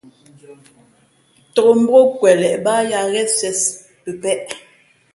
Tōk mbók kweleʼ bāā yā ghén siē pəpēʼ.